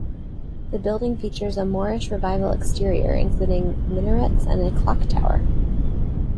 The building features a Moorish Revival exterior, including minarets and a clock tower.